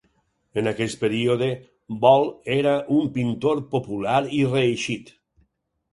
En aquest període, Bol era un pintor popular i reeixit.